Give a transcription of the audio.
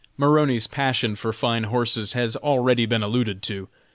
Maroney's passion for fine horses has already been alluded to.